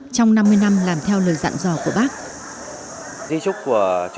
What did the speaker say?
trong năm mươi năm làm theo lời dặn dò của bác